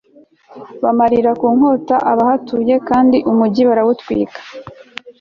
bamarira ku nkota abahatuye kandi umugi barawutwika